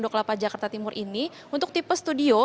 atau di kelapa jakarta timur ini untuk tipe studio